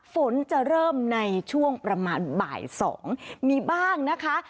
ฝนจะเริ่มในช่วงประมาณบ่าย๒มีบ้างนะคะ